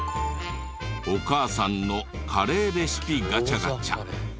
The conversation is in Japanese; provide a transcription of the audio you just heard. お母さんのカレーレシピガチャガチャ。